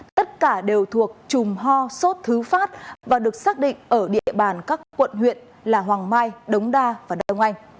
tất cả đều thuộc chùm ho sốt thứ phát và được xác định ở địa bàn các quận huyện là hoàng mai đống đa và đông anh